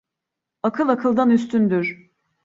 Akıl, akıldan üstündür.